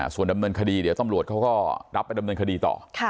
ส่วนดำเนินคดีเดี๋ยวตำรวจเขาก็รับไปดำเนินคดีต่อ